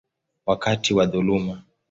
wakati wa dhuluma.